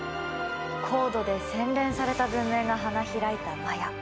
高度で洗練された文明が花開いたマヤ。